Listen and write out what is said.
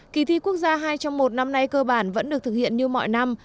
kỳ thi quốc gia hai trong một năm nay cơ bản vẫn được thực hiện như mọi năm